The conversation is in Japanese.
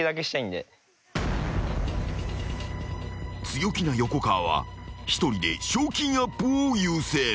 ［強気な横川は一人で賞金アップを優先］